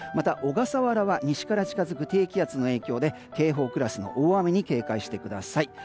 小笠原は西から近づく低気圧の影響で警報クラスの大雨に警戒してください。